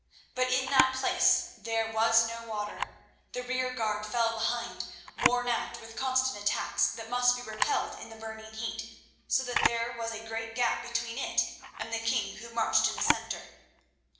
But in that place there was no water. The rearguard fell behind, worn out with constant attacks that must be repelled in the burning heat, so that there was a great gap between it and the king who marched in the centre.